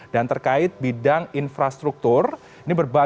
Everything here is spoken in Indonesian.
dan terkait bidang infrastruktur